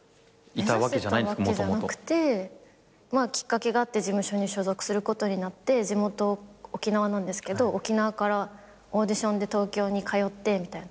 もともと。まあきっかけがあって事務所に所属することになって地元沖縄なんですけど沖縄からオーディションで東京に通ってみたいな。